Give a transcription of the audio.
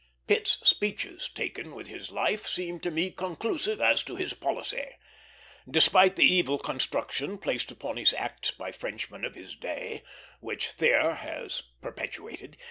Pitt's speeches, taken with his life, seemed to me conclusive as to his policy, despite the evil construction placed upon his acts by Frenchmen of his day, which Thiers has perpetuated.